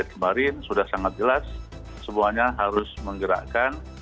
kemarin sudah sangat jelas semuanya harus menggerakkan